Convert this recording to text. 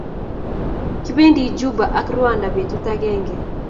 kipendi juba ak rwanda betut ageng